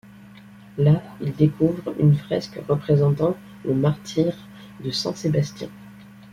Là, il découvre une fresque représentant le martyre de Saint-Sébastien.